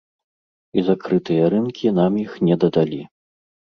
І закрытыя рынкі нам іх не дадалі.